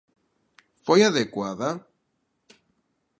Foi adecuada?